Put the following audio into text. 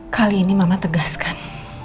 kali ini mama tegaskan